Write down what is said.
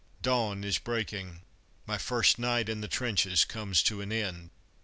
dawn is breaking my first night in trenches comes to an end.